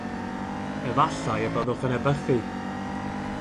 Efallai y byddwch yn ebychu.